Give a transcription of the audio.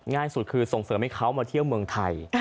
ง่ายสุดคือส่งเสริมให้เขามาเที่ยวเมืองไทย